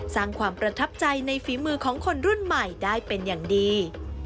สร้างความประทับใจในฝีมือของคนรุ่นใหม่ได้เป็นอย่างดี